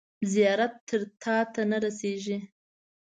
زیارت تر تاته نه رسیږي.